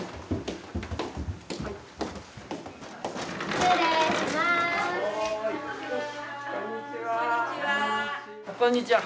こんにちは。